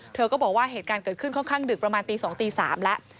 เธอก็บอกว่าเหตุการณ์เกิดขึ้นค่อนข้างดึกประมาณตี๒ตี๓แล้ว